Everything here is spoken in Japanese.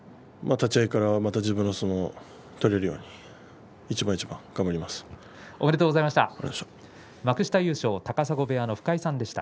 立ち合いからまた自分の相撲を取れるようにおめでとうございました。